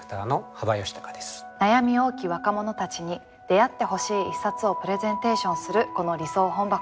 悩み多き若者たちに出会ってほしい一冊をプレゼンテーションするこの「理想本箱」。